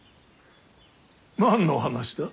何の話だ。